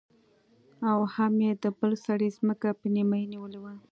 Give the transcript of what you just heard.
او هم يې د بل سړي ځمکه په نيمايي نيولې وه.